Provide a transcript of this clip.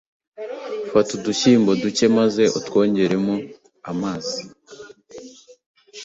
Fata udushyimbo duke maze utwongeremo amaz